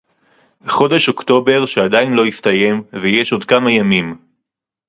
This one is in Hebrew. חודש אוקטובר שעדיין לא הסתיים ויש עוד כמה ימים